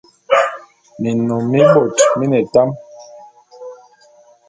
Minnom mibot mine etam enyeman.